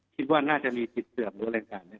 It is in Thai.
คิดว่าน่าจะมีติดเสื่อมหรืออะไรต่าง